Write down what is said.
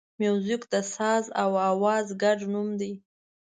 موزیک د ساز او آواز ګډ نوم دی.